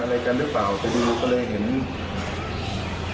อะไรกันรึ่งเปล่า